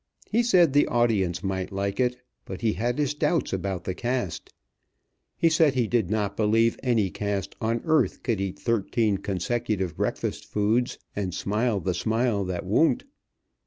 He said the audience might like it, but he had his doubts about the cast. He said he did not believe any cast on earth could eat thirteen consecutive breakfast foods, and smile the smile that won't.